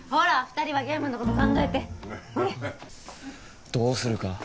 二人はゲームのこと考えてどうするか？